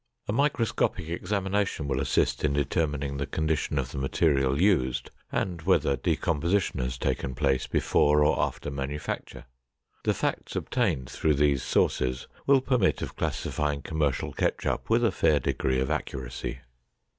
A microscopic examination will assist in determining the condition of the material used and whether decomposition has taken place before or after manufacture. The facts obtained through these sources will permit of classifying commercial ketchup with a fair degree of accuracy.